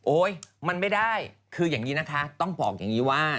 มันไม่ได้คืออย่างนี้นะคะต้องบอกอย่างนี้ว่า